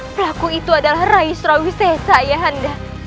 pelaku itu adalah raih surawisesa ayahanda